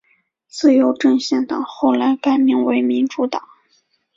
自由阵线党后来改名为民主党。